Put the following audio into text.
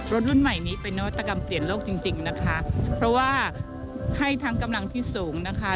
รุ่นใหม่นี้เป็นนวัตกรรมเปลี่ยนโลกจริงจริงนะคะเพราะว่าให้ทั้งกำลังที่สูงนะคะ